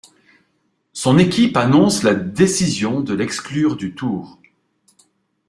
Son équipe annonce la décision de l'exclure du Tour.